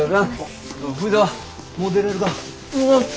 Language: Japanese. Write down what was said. もう出れるか？